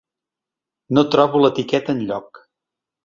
No trobo l'etiqueta enlloc.